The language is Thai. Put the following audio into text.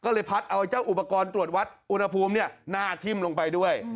ก็เลยพัดเอาเจ้าอุปกรณ์ตรวจวัดอุณหภูมิหน้าทิ่มลงไปด้วย